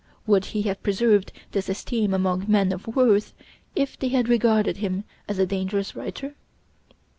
Would he have preserved this esteem among men of worth, if they had regarded him as a dangerous writer?